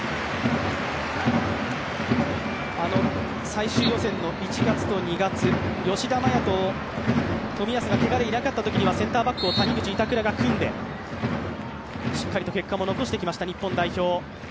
最終予選の１月と２月、吉田麻也と冨安がけがでいなかったときにはセンターバックを谷口、板倉が組んでしっかり結果も残してきました日本代表。